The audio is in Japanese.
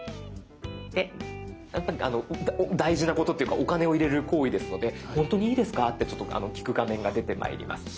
で大事なことというかお金を入れる行為ですので本当にいいですか？って聞く画面が出てまいります。